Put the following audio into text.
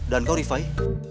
dan kau rifai